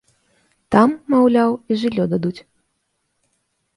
Там, маўляў, і жыллё дадуць.